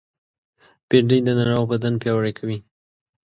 بېنډۍ د ناروغ بدن پیاوړی کوي